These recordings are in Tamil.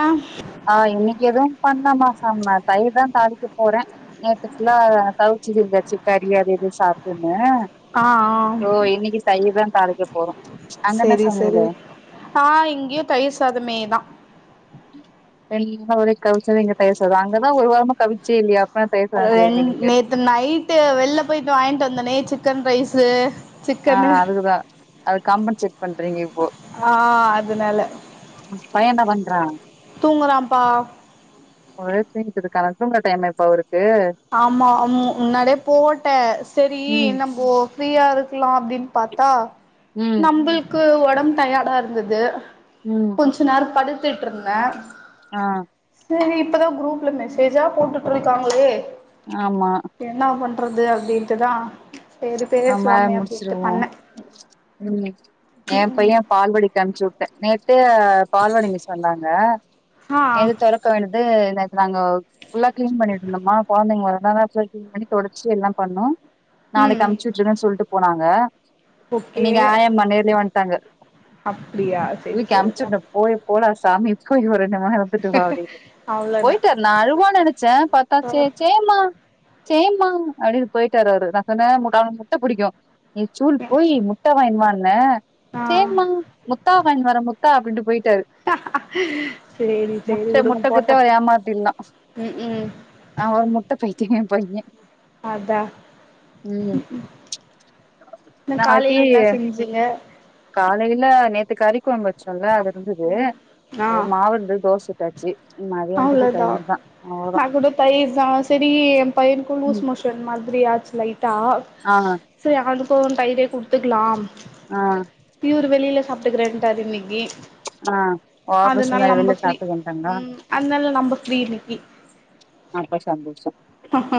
ஆ ஆ இன்னைக்கு எதுவு பண்ணலாமா சம் தயர் தா தாளிக்க போறே நேத்துக்குப்ஃபுல்லா கவிச்சி இதாச்சு கறி அது இது சாப்ட்டுருந்தே ஆ ஆ தோ இன்னைக்கு தயிர்தா தாளிக்க போறோ செரி செரி ஆ இங்கயு தயிர் சாதமேதா என்ன ஒரே கவிச்சது இங்க தயிர்சாதோ அங்கதா ஒரு வாரமா கவிச்சே இல்லையா அப்பதான் தயிர் சாதம் ரெண் செய்றீங்க நீங்க நேத்து நைட்டு வெளில போயிட்டு வாங்கிட்டு வந்தேனே சிக்கன் ரைஸ்ஸு ஆ அதுகுதா அதுக் காம்பன்சேட் பண்றீங்க இப்போ ஆ அதனால பய என்ன பண்றா தூங்கறான்ப்பா ஒரே தூங்கிட்டுருக்காரா தூங்குற டைமா இப்போ அவருக்கு ஆமா அமு முன்னாலே போட்டே சரி ம் இன்ன போ ஃப்ரீயா இருக்கலா அப்டின் பாத்தா ம் நம்புளுக்கு ஒடம்பு டயடா இருந்தது ம் கொஞ்ச நேர படுத்துட்டுருந்தே ஆ செரி இப்பதா குரூப்ல மெசேஜா போட்டுட்டு இருக்காங்களே ஆமா என்னா பண்றது அப்டின்ட்டுதா செரி நம்ம பேசலாமே அப்டின்ட்டு முடிச்சிருவோம் பண்ணே ம் எ பைய பால்வாடிக் அனுப்ச்சு விட்டே நேத்தே பால்வாடி மிஸ் வந்தாங்க ஆ எது தொறக்க வேண்டது நேத்து நாங்கோ ஃபுல்லா கிளீன் பண்ணிடந்தணுமா குழந்தைங்க வரளன் பண்ணி தொடச்சு எல்லாம் பண்ணோ ம் ம் சம்ச்சு உட்ருங்கன் சொல்ட்டு போனாங்க ஓகே இன்னைங்க ஆயம்மா நேர்லயே வன்ட்டாங்க அப்டியா செரி செரிப்பா ஓய் போடா சாமி போ வர [unintelligible] ந்துட்டு வாடி அவ்ளோதா போயிட்டேரு நா அழுவா நனசே பத்தா ஆ சேச்சே ம்மா சேம்மா அப்டின் போயிட்டாரு அவுரு நா சொன்னே முட்ட முட்ட புடிக்கு நீ சூல் ம் போய் முட்ட வாங்வானே ஆ சேம்மா முத்தா வாங்கின் வரே முத்தா அப்டின்ட்டு போய்ட்டாரு சேரி சேரி முட்ட விடுங்க முட்ட போட்ட குத்த ஏமாதில்லா ம் ம் அவ முட்ட பைத்தியங்க பைய அதா ம் காலையில் என்ன நாளைக்கு செஞ்சிங்க காலையில நேத்து கரிக்கொம்பு வச்சோல அது இருந்தது ஆ மாவு இருந்து தோசுட் டாச்சு நீ வண்டது அவ்ளோதா தைர்தா நா கூட தயிர் தா செரி எ பையன்க்கு லூஸ் ம் மோஷன் மாதிரி ஆச்சு லைட்டா ஆ செரி அதுக்கு தயிரே குடுத்துக்கலா ஆ இவுரு வெளியில சாப்ட்டுக்கறேன்டாரு இன்னிக்கி ஆ ஆஃபிஸ்ந்தா வெள்ல சாப்ட்டுக்கன்ட்டாங்க ல்ல நம்ப ஃப்ரீ இன்னிக்கி அப்ப சந்தோஷம் அ அ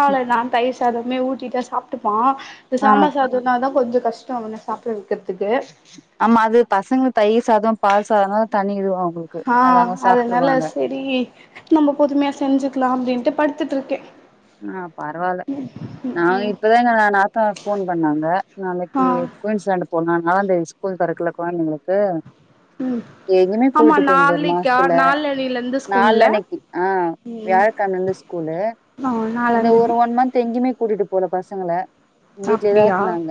அவ்ள நா தயிர் சாதமே ஊட்டிட்டா சாப்ட்டுக்குவா இந்த ஆ சாம்பார் சா இதுனாதா கொஞ்ச கஷ்டோ அவன சாப்ட வெக்கிறதுக்கு ஆமா அது பசங்களுக் தயிர் சாதோ பால் சாதோ தண்ணிவிடுவ உங்களுக் ஆ அதுனால செரி நம்ம பொதுமையா செஞ்சுக்கலா அப்படின்ட்டு படுத்துட்ருக்கே ஆ பரவால்ல நா ம் இப்பதா எங்க நாத்தனார் ஃபோன் பண்ணாங்க ஆ நாளைக்கி குயின்சிலாண்ட்டு போல்லா நாலா தேதி ஸ்கூல் தொறக்கல கொழந்தைங்களுக்கு ம் எங்கிமே ஆமா கூட்டு போந்தரு மா நாளைக்கா ஆஸ்டல்ல நாளனைலருந்து ஸ்கூல்ல நாலனைக்கி ஆ ம் வியாழக்கழமந்து ஸ்கூலு ஆ இந்த ஒரு நாலாந்தேதி ஒன் மந்த் எங்கேயுமே கூட்டிட்டு போல பசங்கள வீட்லயேதா அப்டியா இருந்தாங்க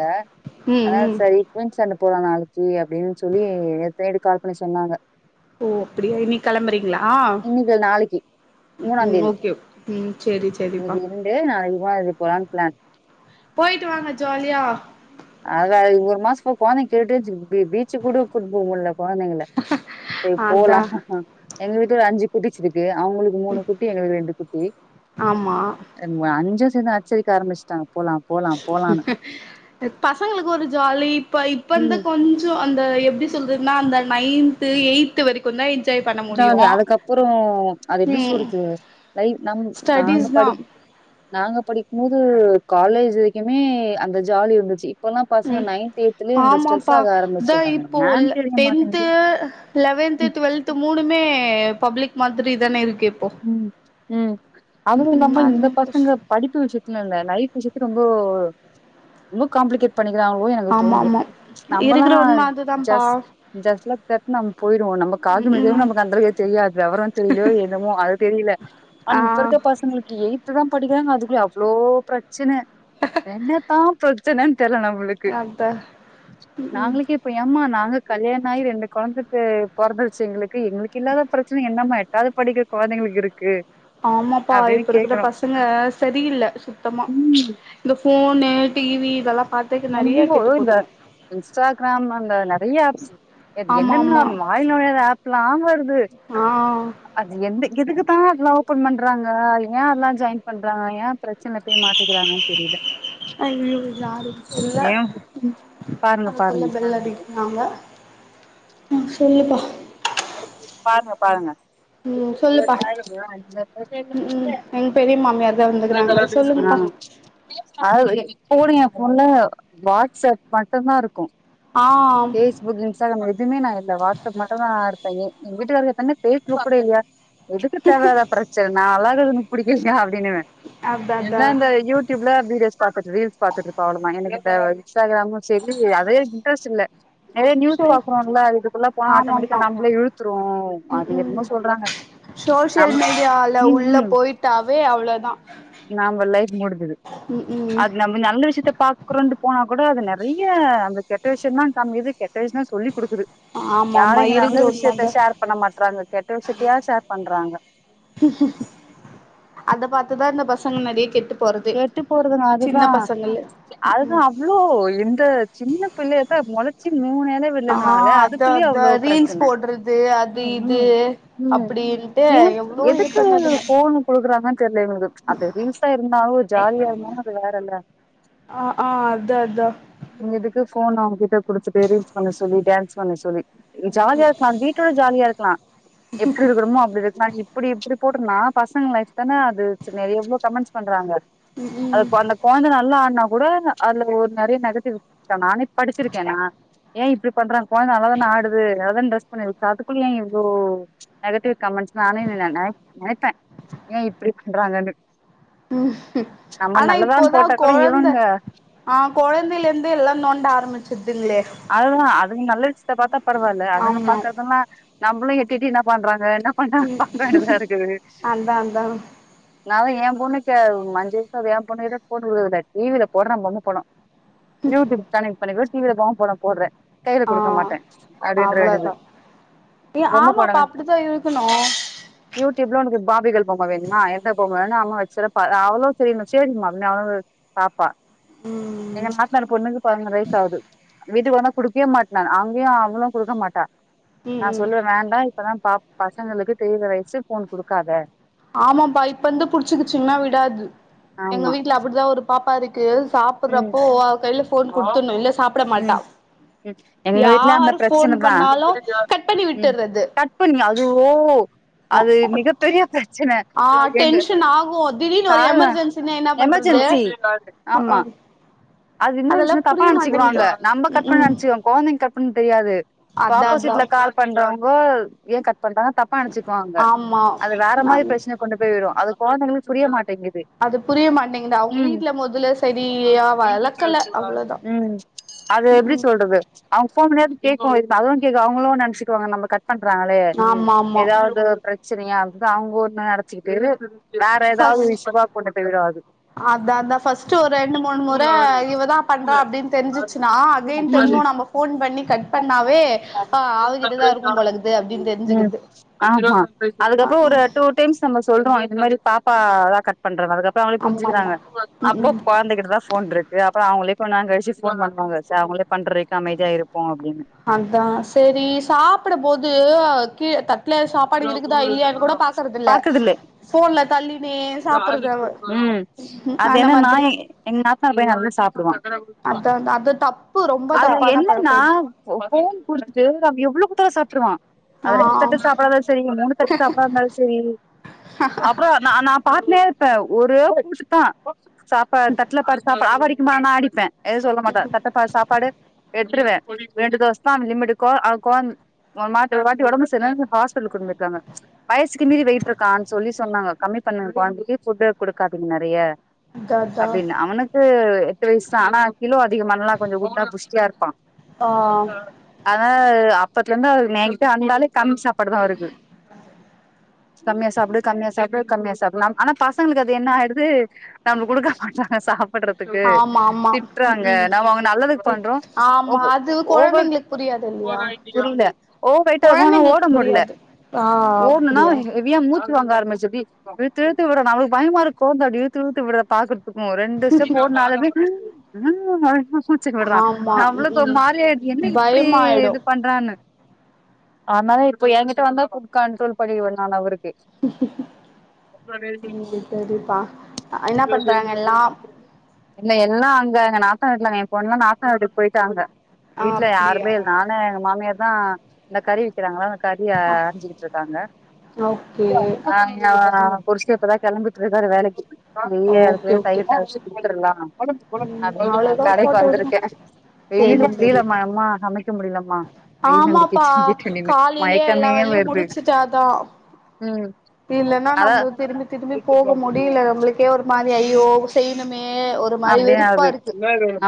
ம் அதா ம் சரி குயின் சண்ட போலா நாளைக்கி அப்டின் சொல்லி எத்தனையடி கால் பண்ணி சொன்னாங்க ஓ அப்படியா இன்னைக் கிளம்பறீங்களா இன்னைக்கு இல்ல நாளைக்கு ம் ஓகே ம் செரி இன்னைக்கு இருண்டு நாளைக் போலா இதுக் போலான் பிளான் போயிட்டு வாங்க ஜாலியா ஆதா ஒரு மாச போ கொழந்தைங் கேட்டேச்சு பீச்சு கூட கூட் போவுல்ல கொழந்தைங்கல சரி போலா அதா எங்க வீட்டுல ஒ அஞ்சு குட்டீஸ் இருக்கு அவங்களுக் மூணு குட்டி எங்களுக் ரெண்டு குட்டி ஆமா அஞ்சு சேந்து அச்சரிக்க ஆரம்பிச்சுட்டாங் போலா பசங்களுக் ஒரு ஜாலி இப்ப இப்பந்த ம் கொஞ் ஜோ அந்த எப்படி சொல்றதுன்னா அந்த நைன்த்து எயித்து வரைக் ஜாலி அதுக்கப்புறோ அது எப்படி ம் சொல்றது லை நம் நாங்க ஸ்டடிஸ் தா படி நாங்க படிக்கும் போது காலேஜ் வரைக்குமே அந்த ஜாலி இருந்துச்சி இப்பெல்லா பசங்க ம் நைன்த் எய்த்துலியே இந்த ஸ்ட்ரெஸ் ஆமாப்பா ஆக இதா ஆரம்பிச்சுட்டாங்க இப்போ ஏன் தெரிய டென்த்து மாட்டேங்குது லெவன்த்து ம், டுவெல்த் மூணுமே பப்ளிக் மாதிரி தானே இருக்கு இப்போ ம் ம் ம் அதுவு ம் இல்லாம அது இந்த பசங்க கஷ்டோ படிப்பு விஷயத்துல இல்ல லைஃப் விஷயத்துக்கு ரொம்போ ரொம்ப காம்ப்ளிகேட் பண்ணிக்கிறாங்களோ எனக்கு ஆமா தோணுது ஆமா நம்மலா இருக்கிற உண்ம அதுதான்ப்பா ஜஸ்ட் ஜெஸ்ட் லைக் தட்டுனு நம்ம போய்வோ நமக்கு ஆக ம் வேண்டியது ம் நமக்கு அளவுக்கே தெரியாது விவரந் தெரிஞ்சோ என்னமோ அது தெரியல ஆனா ஆ இப்ப இருக்க பசங்க பசங்களுக்கு எய்த்து தா படிக்கிறாங்க அதுக்குல்லயே அவ்ளோ ப்ரச்சுன என்னத்தா பட் ப்ரச்சனன் தெர்ல நம்மளுக்கு அதா ம் நாங்களுக்கே இப் ப்ப ஏம்மா நாங்க கல்யாண ஆகி ரெண்டு கொழந்த பெ பொறந்துடுச்சு எங்களுக்கு எங்களுக்கு இல்லாத ப்ரச் என்னாம எட்டாவது படிக்கிற கொழந்தைகளுக்கு இருக்கு ஆமாப்பா அப்டின்னு இப்ப இருக்குற கேக்குறோ பசங்க சரியில்ல சுத்தமா ம் இந்த ஃபோனு டிவி இதல்லா பாத் நெம்போ இந்த இன்ஸ்டாகிராம் அந்த நெறைய ஆப்ஸ் அது ஆமா என்னன்னா ஆமா வாயில்ல நொழையாத ஆப்லா வருது ஆ அது எந்த எதுக்குத்தா அதெல்லா ஓப்பன் பண்றாங்க ஏ அதுல்லா ஜாயின் பண்றாங்க ஏ ப்ரச்சனை போய் மாட்டிக்கிறாங்கன் தெரியல அய்யய்யோ யாருன் தெர்ல ஏன் ம். பாருங்க அதுக்குள்ள பாருங்க பெல் அடிக் க்கிறாங்க ம் சொல்லுப்பா பாருங்க பாருங்க ம் ம் சொல்லுப்பா ம் ம் எங்க பெரிய மாமியார் தா வந்துக்குறாங்க சொல்லுங்கப்பா [unintelligible] அ இப்ப கூட ஏ பொண்ணு வாட்ஸ் அப் மட்டுந்தா இருக்கு ஆ ஆம் புக் இன்ஸ்டாகிராம் எதுமே நா இல்ல வாட்ஸ்அப் மட்டுந்தா நா இருக்றனே எங்க வீட்டுக்காருக்கு தனி பேச கூட இல்லையா எதுக்கு தேவ இல்லாதா ப்ரச்சுன நா அழகா இருக்குற புடிக்கலையா அப்டின்னுவே அதா அதா என்ன இந்த யூட் டியூப்ல வீடியோஸ் பாத்துக்கிட் ரீல்ஸ் பாத்துட்ருப்பா அவளுக் நா எனக்கு இந்த இஸ்டாகிராமு செரி அதே இன்ட்ரஸ்ட் இல்ல நெறையா சோ நியூஸ் பாக்குறோல்ல இதுக்குள்ள போனா அட் டோமேட்டிக்கா ஆமாமா நம்மள இழுத்துரு ம் அது ம் என்னமோ சொல்றாங்க சோசியல் நம் மீடியால ம் உள்ள ம் போயிட்டாவே அவ்ளோதா நம்ம லைஃப் முடுஞ்சுது ம் ம் அது நம் கொஞ்ச நல்ல விஷயத்த பார்க்குறோன்டு போனா கூட அது நெறைய அந்த கெட்ட விஷயோந் தா காமிக்குது கெட்ட விஷயோ சொல்லி குடுக்குது யாரு ஆமாமா இங்க நல்ல இருக்கிற விஷயத்த உண்மதா ஷேர் பண்ண மாட்டறாங்க கெட்ட விஷயத்தையா ஷேர் பண்றாங்க அத பாத்துதா இந்த பசங்க நெறைய கெட்டுப் கெட்டு போறதுங்க அதுதா அதுதா அப்ப இவ்ளோ இந்த சின்ன பிள்ளைய தா இப்ப மொளச்சு மூனெல ஆ பிள்ளைங்களால அத அதுக்குள்ளயே அதா அவ்ளோ ரீல்ஸ் ப்ரச்சனை போடுறது அது ம் இது ம் ம் அப்டின்ட்டு ஏ எவ்ளோ இது எதுக்கு பண்ணதுங்க போணு குடுக்குறாங்கன் தெர்ல இவுங்களுக்கு அது ரீல்சா எடுத் ன்னாவு ஜாலியா இருந்தாலு அது வேறல்ல ஆ ஆ அதா அதா இங்க இதுக்கு ஃபோன் அவுங்க கிட்ட குடுத்துட்டு ரீல்ஸ் பண்ண சொல்லி டான்ஸ் பண்ண சொல்லி ஜாலியா இருக்கலா வீட்டோட ஜாலியா இருக்கலா எப்புடி இருக்கணுமோ அப்டி இருக்கலான் அப்புடி எப்புடி போட்டுக்னா பசங்க லைப் தான அது நெறைய எவ்ளோ கமெண்ட்ஸ் பண்றாங்க ம் அதுக்கு அந்த கொழந்த நல்லா ஆட்னா கூட அதுல ஒரு நெறைய நெகட்டிவ் நானே இ படிச்சிருக்கே நா ஏ இப்டி பண்றாங்க கொழந்த நல்லா தான ஆடுது நல்லா தான ட்ரஸ் பண்ணிருக்கு அதுகுள்ள ஏ இவ்ளோ நெகட்டிவ் கமெண்ட்ஸ் நானே ந நெ நெனைப்பேன் ஏ இப்டி பண்றாங்கன்னு ம் நம்ம ஆனா நல்லதான்னு இப்போதா போட்டா கூட கொழந்த இவங்க அ கொழந்தையில இருந்தே எல்லா நோண்ட ஆரம்பிச்சிருதுங்களே அதுதா அதுங்க நல்ல விஷயத்த பாத்தா பரவாயில்ல அதுங்க ஆமா பாக்குறதெல்லா நம்மளும் எட்டிட்டு என்ன பண்றாங்க என்ன [unintelligible] இருக்குது அதா அதா நா தா ஏ பொண்ணுக்கு ஐஞ்சு [unintelligible] ஏ பொண்ணுட்ட போட்டுவுடறதுல்ல டிவில போட்றா பொம்ம படோ யூடியூப் கனெக்ட் பண்ணிக்க டிவியில பொம்ம படோ போட்றே கையில ஆ குடுக்க மாட்டே அப்டின்ற வேண்டிது அவ்ளோதா ஏ ஆமாப்பா அப்டித்தா இருக்கணு யூடியூப்ல ஒனக்கு பாபிகேள் பொம்ம வேணுமா எந்த பொம்ம வேணு அம்மா வச் சிறப்பா அவளோ தெரியணு சேரிம்மா அ அவளு பாப்பா ம் நாத்னார் பொண்ணுக்கு பதினொரு வயசு ஆகுது வீட்டுக்குள்ளந்தான் குடுக்கவே மாட்டோன் அங்கேயும் அவளு குடுக்க மாட்டா ம் நா ம் சொல்லற வேண்டா இப்பதா ப பசங்களுக்கு தெரியற வயசு போன் குடுக்காத ஆமாப்பா இப்ப வந்து புடிச்சுக்குச்சீங்கன்னா விடாது எங்க ஆமா வீட்டுல அப்டிதா ஒரு பாப்பா இருக்கு து ம் சாப்ட்றப்போ அவ கையில போன் குடுத்துருணு இல்ல சாப்ட மாட்டா ம் ம் எங்க வீட்லயு அந்த யாரு ஃபோன் பிரச்சனைதா பண்ணாலு கட் பண்ணி ம் விட்டுறது கட் பண்ணி அதுஓ ஆ அது மிகப்பெரிய பிரச்சனை ஆ டென்ஷன் ஆகு திடீர்னு ஒரு [unintelligible] எமர்ஜென்சினா என்ன பண்றது எமர்ஜென்சி அ ஆமா ஆ அது இன்னொரு அதெல்லா விஷயம் தப்பா புரிய மாட்டேங்குது நெனுச்சுக்குவாங்க நம்ம ம் ம் கட்பண்ணநெனச்சிக்கோ கொழந்தைங்க கட் பண்ண தெரியாது இப்ப அதா அதா ஆப்போசிட்ல கால் பண்றேங்கோ ஏன் கட் பண்றா தப்பா நெனைச்சிக்குவாங்க ஆமா அது வேற மாரி நானு பிரச்சன கொண்டு போய் விடு அது கொழந்தைங்களுக்கு புரிய மாட்டேங்குது அது புரிய மாட்டேங்கதுஅவுங்க ம் வீட்டுல மொதல்ல சரியா வளக்கல [unintelligible] அவ்ளோதா ம் அது ம் எப்டி ம் சொல்றது அவங்க போன் பண்ணியாவது கேட்கணு இப்ப அதுவு கேக்க அவங்களு நெனைச்சுக்குாங்க நம்ம கட் பண்றாங்களே ஆமா ஆமா ஏதாவது பிரச்சனையா இருந்து அவங்க ஒன்னு நடச்சிக்கிட்டே வேற ஏதாவது [unintelligible] அந்தா அந்தா ஃபஸ்ட் ஒரு ரெண்டு மூணு முறை இவ தான் பண்றா அப்டின்னு தெரிஞ்ச்சுசினா அகைன் திரும்போ ம் நம்ம போன் பண்ணி கட் பண்ணாவே அ அவகிட்டதா இருக்கு போலகுது அப்டின்னு தெரிஞ்சுக்குறது ம் அதுக்கப்பறம் ஒரு டூ டென்சன்ல சொல்றோ இந்த மாரி பாப்பா தா கட் பண்றா அதுக்கப்பறம் அவங்களே ஆமா ஆமா புரிஞ்சுக்கிறாங்க ம் அப்போ ம் அண்ணே கிட்ட தா போன் இருக்கு அப்பறம் அவங்களே கொஞ்ச நேரோ கழிச்சு போன் பண்ணுவாங்க சே அவங்களே பண்றதுக்கு அமைதியா இருப்போ அப்டின்னு அதா சேரி சாப்டபோது கீழே தட் தட்ல சாப்பாடு இருக்குதா இல்லையான்னு கூட பாக்கறது இல்ல போன்ல தள்ளினே சாப்பறது அவ ம் அது அந்த என்னன்னா மாதிரி எங்க நாத்தனாரா பைய நல்லா சாப்டுவான் அது அது தா அது என்னன்னா போன் குடுத்துட்டு அவ எவ்ளோ குடுத்தாலு சாப்டாருவான் ஆ அது ரெண்டு தட்டு சாப்பாடா சரி மூணு தட்டு சாப்பாடா இருந்தாலு சரி அப்பறம் ந நான் பாத்துனே இருப்பே ஒரே கூட்டுத்தா சாப்ப தட்டல பாரு சாப்படு [unintelligible] சும்மா நா அடிப்பே எதுவுமே சொல்ல மாட்டே தட்ட பாத்து சாப் சாப்பாடு எடுத்துருவே ரெண்டு தோச தா லிமிட்டு கோ அவ கோ ஒரு மாட்டி ஒரு வாட்டி ஒடம்பு சரிலனு ஹாஸ்பிடலு கூட்டுபோய்ருக்காங்க வயசுக்கு மீறி வெயிட் இருக்கான்னு சொல்லி சொன்னாங்க கம்மி பண்ணுங்க குவான்ட்டி ஃபுட்டே குடுக்காதீங்க நெறய அதா அதா அப்டின்னு அவனுக்கு எட்டு வயசு தா ஆனா கிலோ அதிகமானல்ல கொஞ்சோ குண்டா புஷ்டியா இருப்பா ஆ அதனாளே அப்பத்துல இருந்தே அவருக்கு நைட்டு வந்தாலே கம்மி சாப்பாடு தா அவருக்கு கம்மியா சாப்டு கம்மியா சாப்டு கம்மியா சாப்டு நா ஆனா பசங்களுக்கு அது என்ன ஆயிடுது நம்மகு குடுக்க மாட்டாங்க சாப்டறதுக்கு ஆமா ஆமா ம் திட்றாங்க ம் நம்ம அவுங்க நல்லதுக்கு அ ஒ ஆமா ஒ அது ஓவர் கொழந்தைங்களுக்கு புரியாது இல்லையா புரில ஓ வெய்ட்டா இருக்கு ஆனா ஓட கொழந்தைங்களுக்கு முல்ல புரியாது ஆ ஆனா அப்டியா ஹெவியா மூச்சி வாங்க ஆரம்பிச்சிடி இழுத்து இழுத்து விடனா அவளுக்கு பயமாருக்கு அப்டி இழுத்து இழுத்து விடற பாக் க்கு ரெண்டு ஸ்டெப் போட்னாலுமே ம் ம் [inaudible] ச்சுக் விட்றா ஆமா ம் நம்பளுக்கு ஒரு ம் மாரி அய்டுது என்ன இப்பிடி பயமாயிடு இது பண் ண்றானு அதனால இப்போ எகிட்ட வந்தா ஃபுல் கண்ட்ரோல் பண்ணிர்வ நான் அவுருக்கு ம் சேரி செரிப்பா என்ன பண்றாங்க எல்லா இல்ல எல்லா அங்க எங்க நாத்தனார் ட்ல எ பொண்லா நாத்தானர்வீட்டுக்கு போய்ட்டாங்க ஆ வீட்ல அப்டியா யாருமே இல் நானு எங்க மாமியார் தா இந்த கறிவிக்கிறாங்களா அந்த கறிய அறிஞ்சிட்டு இருக்காங்க ஓகே ஆ ஆ குளிஷ்டு இப்ப தா கெளம்பிட்டு ட்ருக்காரு வேலைக்கி வெய்ய ஓகே அதுகுள்ள ஓகே தயிர் தாள்ச்சி குட்த்துர்லா ம் அப்டினு அவ்ளோதா கடைக்கு போட்டோ எடுங்க வந்துருக்க வெயில் சேரி முடிலம்மா சேரிப்பா எம்மா நிக்க முடிலம்மா வெயில வந்து ஆமாப்பா கிச்சட்டுன்னு காலையிலயே எல்லா மயக்கமே வேலையு வர்து முடிச்சுட்டாதா ம் இல்லன்னா அதா நம்ப திரும்பி திரும்பி போக முடியில நம்மளுக்கே ஒரு மாரி ஆயி ஓ செய்யனுமே ஒரு மாரி அப்டியே வெறுப்பா ஆகுது இருக்கு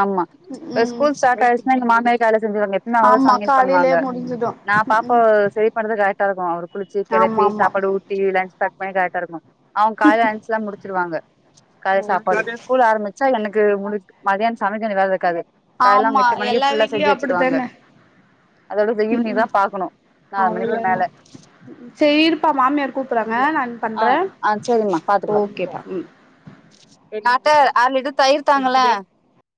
ஆமா ம் ம் ஸ்கூல் ஸ்டார்ட் ஆயிச்னா எங்க மாமியார் வேல செஞ்சிருவாங்க ன்னா அவ ஆமா சமையல் பண்வாங்க காலையிலயே முடிஞ்சிடு நா ம் பாப்போ ம் செரி பட்றது கரட்டாருக்கு அவரு குளிச்சி கெளப்பி ஆமா ஆமா சாப்பாடு ஊட்டி லன்ச் பேக் பண்ணி கரக்ட்டா இருக்கு அவுங் காலைல என்ச்சல்லா முடிச்சிருவாங்க காலைல ஓகே சாப்பாடு ஸ்கூல் ஆரமிச்சா எனக்கு முடிக் மதியான சமைக்கற வேல இருக்காது காலைல அவங்க ஆமா எட்டு மணிக்கு எல்லா ஃபுல்லா வீட்லயு செஞ்சு வச்சருவாங்க அப்டித்தானே அதோட த ம் ஈவ்னிங் தா ம் பாக்கணு நாலு மணிக்கு அவ்ளோதா மேல சரி இருப்பா மாமியார் கூப்பறாங்க நான் ஆ பண்ற ஆ சரிம்மா ஓகேப்பா ம் நாட்டர் ஆர லிட்டர் தயிர் தாங்கள